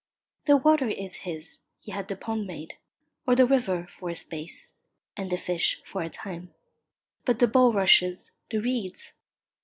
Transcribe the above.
The water is his he had the pond made; or the river, for a space, and the fish, for a time. But the bulrushes, the reeds!